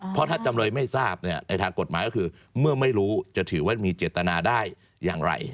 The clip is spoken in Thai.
เพราะถ้าจำเลยไม่ทราบในทางกฎหมายก็คือเมื่อไม่รู้จะถือว่ามีเจตนาได้อย่างไร